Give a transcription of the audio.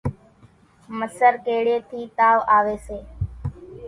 مسر ڪيڙيئيَ ٿِي تاوَ آويَ سي۔